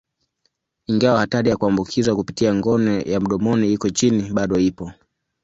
Ingawa hatari ya kuambukizwa kupitia ngono ya mdomoni iko chini, bado ipo.